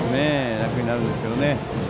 楽になるんですけどね。